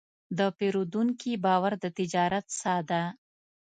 د پیرودونکي باور د تجارت ساه ده.